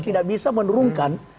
tidak bisa menurunkan